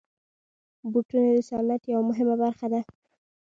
بوټونه د صنعت یوه مهمه برخه ده.